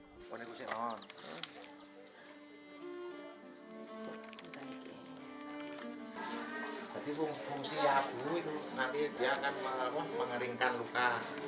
jadi fungsi ya abu itu nanti dia akan melakukan mengeringkan luka